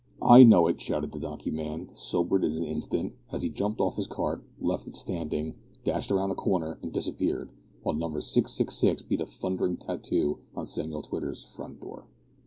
"I know it," shouted the donkey man, sobered in an instant, as he jumped off his cart, left it standing, dashed round the corner, and disappeared, while Number 666 beat a thundering tattoo on Samuel Twitter's front door.